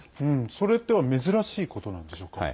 それって珍しいことなんでしょうか。